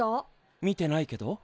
見てないけど。